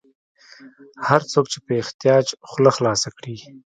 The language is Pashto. هر څوک چې په احتیاج خوله خلاصه کړي.